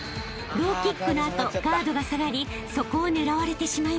［ローキックの後ガードが下がりそこを狙われてしまいました］